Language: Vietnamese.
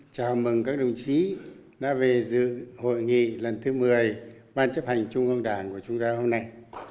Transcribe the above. chào mừng các đồng chí đã về dự hội nghị lần thứ một mươi ban chấp hành trung ương đảng của chúng ta hôm nay